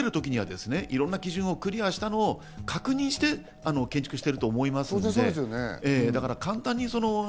一応建てる時にはいろんな基準をクリアしたのを確認して建築していると思います。